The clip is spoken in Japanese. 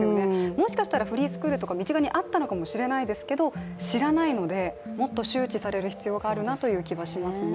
もしかしたらフリースクールとか身近にあったのかもしれないですけど知らないので、もっと周知される必要があるなという気がしますね。